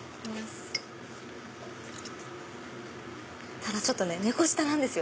ただちょっとね猫舌なんですよ。